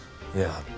いや。